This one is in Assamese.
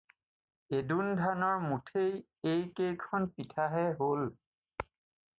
এদোণ ধানৰ মুঠেই এইকেইখন পিঠাহে হ'ল।